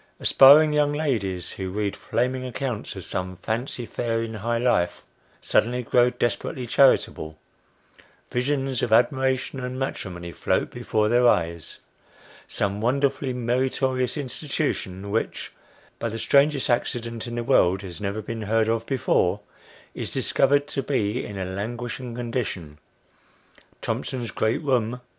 Aspiring young ladies, who read flaming accounts of some " fancy fair in high life," suddenly grow desperately charitable ; visions of admiration and matrimony float before their eyes ; some wonderfully meritorious institution, which, by the strangest accident in the world, has never been heard of before, is discovered to be in a languishing condition : Thomson's great room, 68 Sketches by Boz.